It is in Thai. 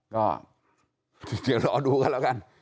เดี๋ยวเราเอาดูกันแล้วกัน